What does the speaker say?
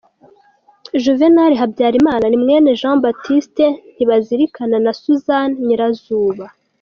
Juvénal Habyarimana ni mwene Jean-Baptiste Ntibazilikana na Suzanne Nyirazuba.